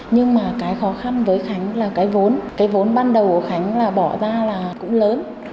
nhưng mà cái khó khăn với khánh là cái vốn cái vốn ban đầu của khánh là bỏ ra là cũng lớn